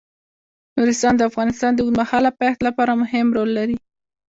نورستان د افغانستان د اوږدمهاله پایښت لپاره مهم رول لري.